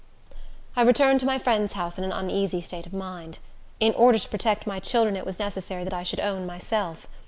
I returned to my friend's house in an uneasy state of mind. In order to protect my children, it was necessary that I should own myself.